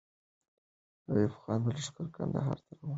د ایوب خان لښکر کندهار ته روان سو.